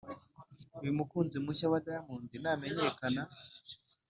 uyu mukunzi mushya wa diamond namenyekana